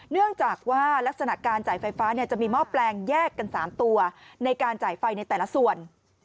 เนื่องจากว่าลักษณะการจ่ายไฟฟ้าจะมีหม้อแปลงแยกกัน๓ตัวในการจ่ายไฟในแต่ละส่วน